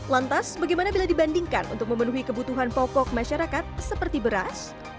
lantas bagaimana bila dibandingkan untuk memenuhi kebutuhan pokok masyarakat seperti beras